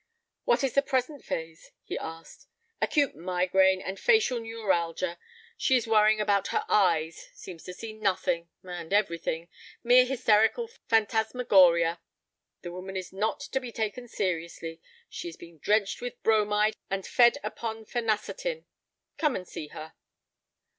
"What is the present phase?" he asked. "Acute migraine and facial neuralgia. She is worrying about her eyes, seems to see nothing—and everything, mere hysterical phantasmagoria. The woman is not to be taken seriously. She is being drenched with bromide and fed upon phenacetin. Come and see her."